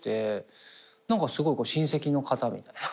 何かすごい親戚の方みたいな。